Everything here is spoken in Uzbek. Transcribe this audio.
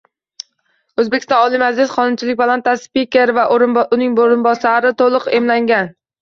O‘zbekiston Oliy Majlis Qonunchilik palatasi spikeri va uning o‘rinbosarlari to‘liq emlangan